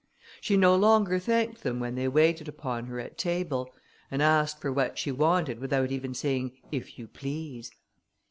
She no longer thanked them when they waited upon her at table, and asked for what she wanted without even saying, if you please.